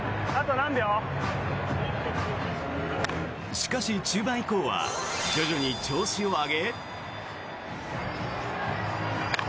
しかし、中盤以降は徐々に調子を上げ。